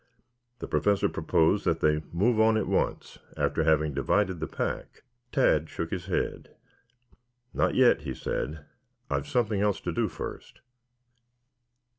The Professor proposed that they move on at once, after having divided the pack. Tad shook his head. "Not yet," he said. "I've something else to do first."